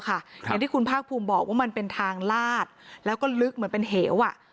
อย่างที่คุณภาคภูมิบอกว่ามันเป็นทางลาดแล้วก็ลึกเหมือนเป็นเหว